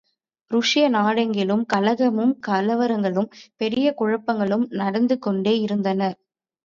ருஷ்ய நாடெங்கிலும் கலகமும், கலவரங்களும் பெரிய குழப்பங்களும் நடந்து கொண்டே இருந்தன!